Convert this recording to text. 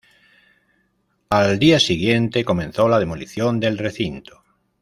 Al día siguiente comenzó la demolición del recinto.